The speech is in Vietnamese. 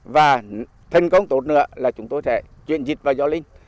và thành công tốt nữa là chúng tôi sẽ chuyện dịch vào giao linh